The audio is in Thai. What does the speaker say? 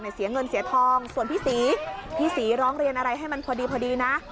เสียเงินเสียทองส่วนพี่ศรีพี่ศรีร้องเรียนอะไรให้มันพอดีพอดีนะ